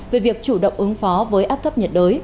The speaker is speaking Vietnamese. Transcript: về việc chủ động ứng phó với áp thấp nhiệt đới